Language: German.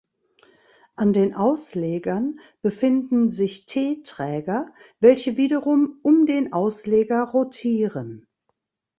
An den Auslegern befinden sich T-Träger, welche wiederum um den Ausleger rotieren.